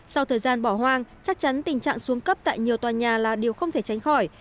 sau thời gian bỏ hoang chắc chắn tình trạng xuống cấp tại nhiều tòa nhà là điều không thể tránh khỏi